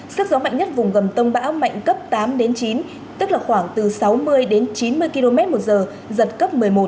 sức gió mạnh nhất vùng gần tâm bão mạnh cấp tám đến chín tức là khoảng từ sáu mươi đến chín mươi km một giờ giật cấp một mươi một